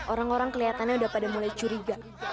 orang orang kelihatannya udah pada mulai curiga